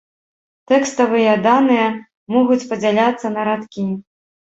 Тэкставыя даныя могуць падзяляцца на радкі.